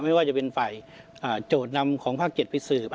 ไม่ว่าจะเป็นฝ่ายโจทย์นำของภาค๗ไปสืบ